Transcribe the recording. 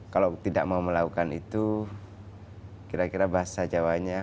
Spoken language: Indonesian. kalau tidak mau melakukan itu kira kira bahasa jawanya